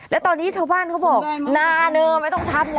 และตอนนี้ชาวบ้านเขาบอกนาเนอไม่ต้องทับไง